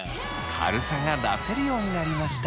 軽さが出せるようになりました。